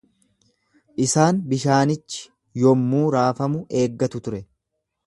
Isaan bishaanichi yommuu raafamu eeggatu ture.